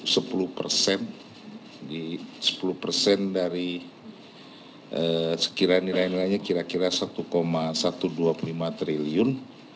jadi sepuluh dari sekiranya nilai nilainya kira kira rp satu satu ratus dua puluh lima triliun